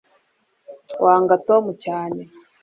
wanga tom cyane